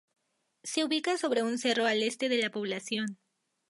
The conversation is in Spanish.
Se ubica sobre un cerro al este de la población.